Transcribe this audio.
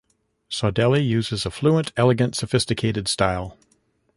Saudelli uses a fluent, elegant, sophisticated style.